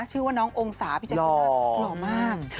ชื่อว่าน้ององศาพี่จะคิดว่าหล่อมาก